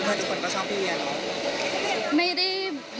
แล้วทุกคนก็ชอบพี่เรียหรือ